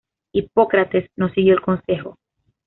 Hipócrates no siguió el consejo.